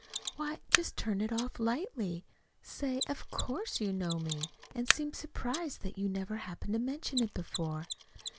"Why, just turn it off lightly. Say, of course, you know me; and seem surprised that you never happened to mention it before.